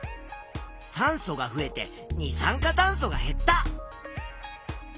酸素が増えて二酸化炭素が減った。